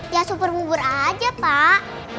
ya super bubur aja pak